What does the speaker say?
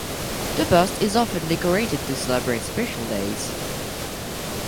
The bust is often decorated to celebrate special days.